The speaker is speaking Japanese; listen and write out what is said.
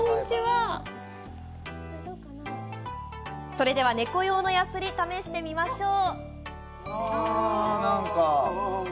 それでは、猫用のやすり試してみましょう。